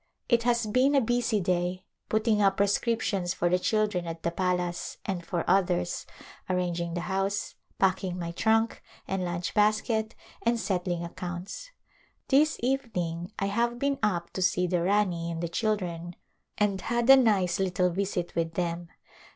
It has been a busv day, putting up prescrip tions for the children at the palace and for others, ar ranging the house, packing mv trunk and lunch basket and settling accounts. This evening I have been up to see the Rani and the children and had a nice little visit with them.